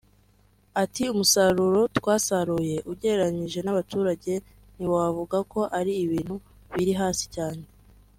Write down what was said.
Ati “Umusaruro twasaruye ugereranyije n’abaturage ntiwavuga ko ari ibintu biri hasi cyane